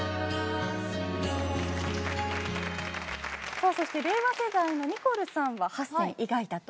さあそして令和世代のニコルさんは８選以外だと。